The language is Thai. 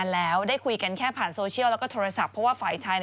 งั้นตั้งนี้ว่ากล้องเท้าให้ไหน